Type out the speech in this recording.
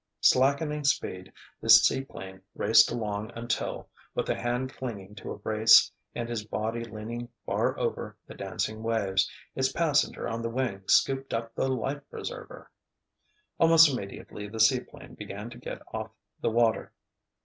Slackening speed, the seaplane raced along until, with a hand clinging to a brace and his body leaning far over the dancing waves, its passenger on the wing scooped up the life preserver. Almost immediately the seaplane began to get off the water.